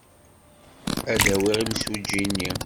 Ad d-awiɣ imsujji-nni.